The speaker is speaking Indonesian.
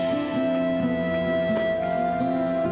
mau keluar negeri katanya